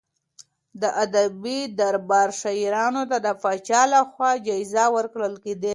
د ادبي دربار شاعرانو ته د پاچا لخوا جايزې ورکول کېدې.